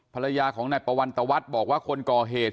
ภรรยาของนายปวันตวัฒน์บอกว่าคนก่อเหตุ